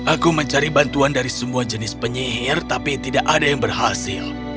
aku mencari bantuan dari semua jenis penyihir tapi tidak ada yang berhasil